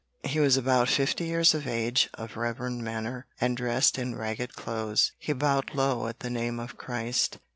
He was about fifty years of age, of reverend manner, and dressed in ragged clothes; he bowed low at the name of Christ.